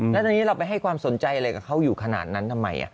แล้วตอนนี้เราไปให้ความสนใจอะไรกับเขาอยู่ขนาดนั้นทำไม